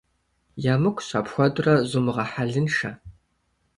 Емыкӏущ, апхуэдэурэ зумыгъэхьэлыншэ.